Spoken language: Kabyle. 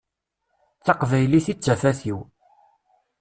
D taqbaylit i d tafat-iw.